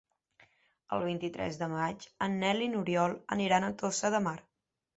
El vint-i-tres de maig en Nel i n'Oriol aniran a Tossa de Mar.